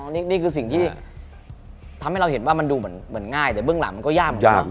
นี่คือสิ่งที่ทำให้เราเห็นว่ามันดูเหมือนง่ายแต่เบื้องหลังมันก็ยากเหมือนกันเนาะ